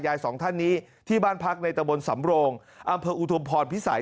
สองท่านนี้ที่บ้านพักในตะบนสำโรงอำเภออุทุมพรพิสัย